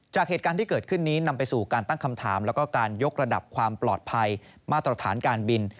จากเหตุการณ์ที่เกิดขึ้นนี้นำไปสู่การตั้งคำถามแล้วก็การยกระดับความปลอดภัยมาตรฐานการบิน